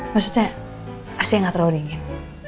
maksudnya asli gak terlalu dingin